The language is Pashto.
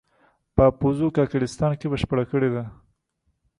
په اپوزو کاکړستان کې بشپړه کړې ده.